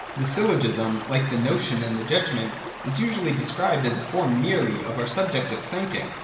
The Syllogism, like the notion and the judgment, is usually described as a form merely of our subjective thinking.